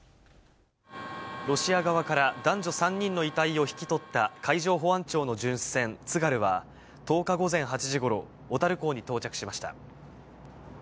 ロシア側から、男女３人の遺体を引き取った、海上保安庁の巡視船つがるは、１０日午前８時ごろ、小樽港に到着しました。